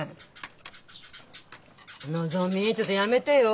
のぞみちょっとやめてよ。